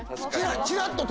ちらっと。